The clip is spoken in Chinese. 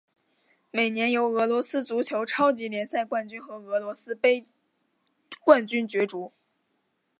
每年由俄罗斯足球超级联赛冠军和俄罗斯杯冠军角逐。